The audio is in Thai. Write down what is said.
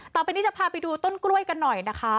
ต่อไปนี้จะพาไปดูต้นกล้วยกันหน่อยนะคะ